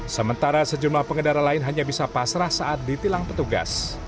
sementara sejumlah pengendara lain hanya bisa pasrah saat ditilang petugas